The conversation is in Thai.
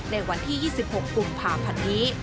ในวันที่๒๖กุมภาพันธ์นี้